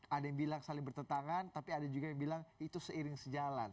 ada yang bilang saling bertentangan tapi ada juga yang bilang itu seiring sejalan